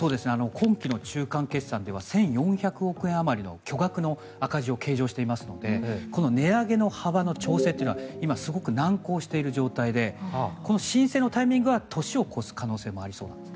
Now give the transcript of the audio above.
今期の中間決算では１４００億円あまりの巨額の赤字を計上していますのでこの値上げの幅の調整というのは今、すごく難航している状態でこの申請のタイミングは年を越す可能性もありそうなんです。